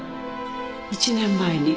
１年前に。